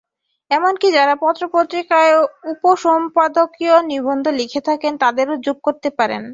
এমনকি যাঁরা পত্রপত্রিকায় উপসম্পাদকীয় নিবন্ধ লিখে থাকেন, তাঁদেরও যোগ করতে পারেন।